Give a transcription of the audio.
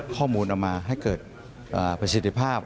ข้อมูลเอามาให้เกิดประสิทธิภาพ